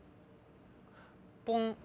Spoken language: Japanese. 「ポン」